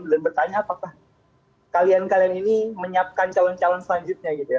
dan bertanya apakah kalian kalian ini menyiapkan calon calon selanjutnya gitu ya